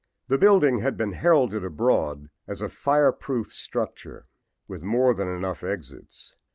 The building had been heralded abroad as a "fireproof structure," with more than enough exits.